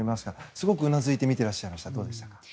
すごくうなずいて見ていらっしゃいましたね。